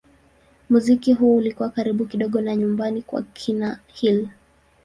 Muziki huo ulikuwa karibu kidogo na nyumbani kwa kina Hill.